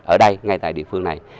ở đây ngay tại địa phương này